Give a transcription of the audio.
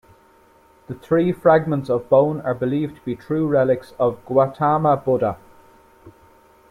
The three fragments of bone are believed to be true relics of Gautama Buddha.